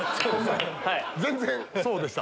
全然そうでした。